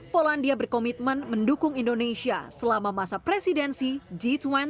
polandia berkomitmen mendukung indonesia selama masa presidensi g dua puluh